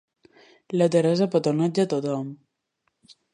La Teresa petoneja tothom.